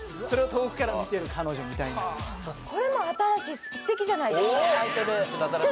それを遠くから見てる彼女みたいなこれも新しい素敵じゃないですかタイトルええっ！？